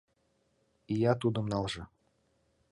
Ия тудым налже!